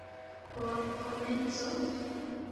Por komenco?